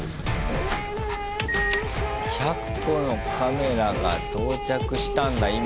１００個のカメラが到着したんだ今。